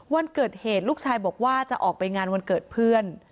วันเกิดเหตุลูกชายบอกว่าจะออกไปงานวันเกิดเพื่อน